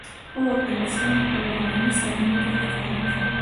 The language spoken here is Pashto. خو انسان په بحراني صحنه کې ښکاره شو.